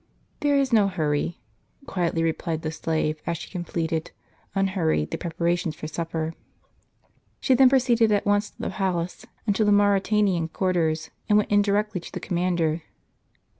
" There is no hurry," quietly replied the slave, as she com pleted, untlurried, the preparations for supper. She then proceeded at once to the palace, and to the Mau ritanian quarters, and went in directly to the commander.